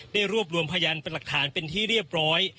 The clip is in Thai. รวบรวมพยานเป็นหลักฐานเป็นที่เรียบร้อย